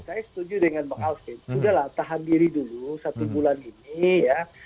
saya setuju dengan pak alfie sudahlah tahan diri dulu satu bulan ini ya